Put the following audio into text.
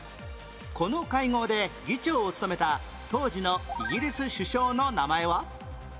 この会合で議長を務めた当時のイギリス首相の名前は？